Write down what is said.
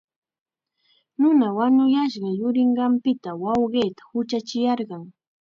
Nuna wañushqa yurinqanpita wawqiita huchachiyarqan.